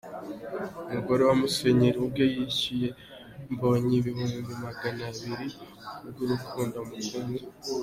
Umugore wa Musenyeri ubwe yishyuye Mbonyi ibihumbi magana abiri ‘ku bw’urukundo amukunda’.